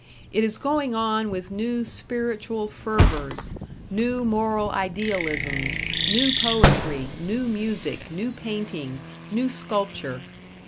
It is going on with new spiritual fervors, new moral idealisms, new poetry, new music, new painting, new sculpture.